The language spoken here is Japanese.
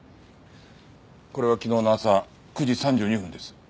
これは昨日の朝９時３２分です。